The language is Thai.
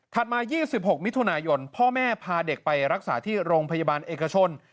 มา๒๖มิถุนายนพ่อแม่พาเด็กไปรักษาที่โรงพยาบาลเอกชน